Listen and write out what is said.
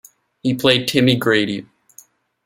He played Timmy Grady.